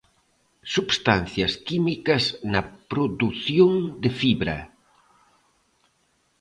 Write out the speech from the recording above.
Substancias químicas na produción de fibra.